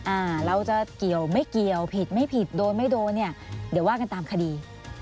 อ่าเราจะเกี่ยวไม่เกี่ยวผิดไม่ผิดโดนไม่โดนเนี่ยเดี๋ยวว่ากันตามคดี